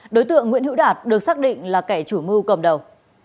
đối tượng nguyễn hữu đạt được xác định là kẻ chủ mưu cầm đầu